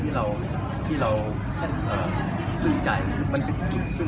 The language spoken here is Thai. ที่มีเวลาที่สุด